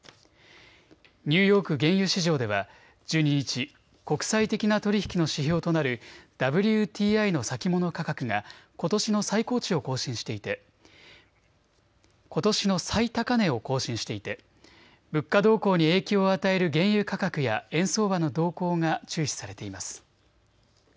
ニューヨーク原油市場では１２日、国際的な取り引きの指標となるＷＴＩの先物価格がことしの最高値を更新していて物価動向に影響を与える原油価格や円相場の動向が注視されています。